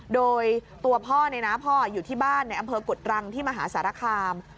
โดยตัวพ่ออยู่ที่บ้านในอำเภอกุฎรังที่มหาสารคาม